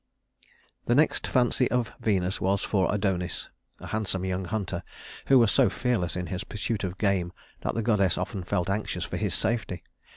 II The next fancy of Venus was for Adonis, a handsome young hunter, who was so fearless in his pursuit of game that the goddess often felt anxious for his safety.